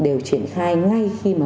đều triển khai ngay khi mà